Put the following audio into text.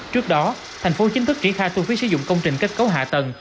trước đó thành phố chính thức triển khai thu phí sử dụng công trình kết cấu hạ tầng